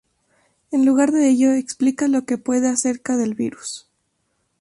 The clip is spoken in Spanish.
En lugar de ello, explica lo que puede acerca del virus.